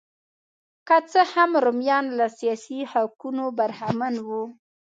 که څه هم رومیان له سیاسي حقونو برخمن وو